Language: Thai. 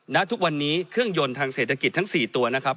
ณทุกวันนี้เครื่องยนต์ทางเศรษฐกิจทั้ง๔ตัวนะครับ